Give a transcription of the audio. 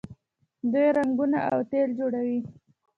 دوی رنګونه او تیل جوړوي.